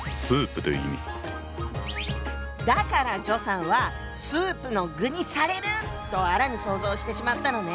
だから徐さんはスープの具にされるとあらぬ想像をしてしまったのね。